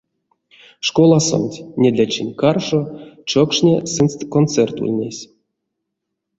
Школасонть недлячинть каршо чокшне сынст концерт ульнесь.